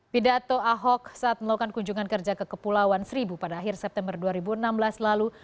pidato ahok saat melakukan kunjungan kerja ke kepulauan seribu pada akhir september dua ribu enam belas lalu